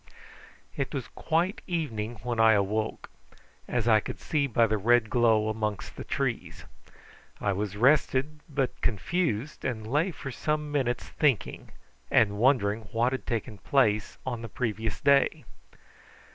It was quite evening when I woke, as I could see by the red glow amongst the trees. I was rested but confused, and lay for some minutes thinking, and wondering what had taken place on the previous day.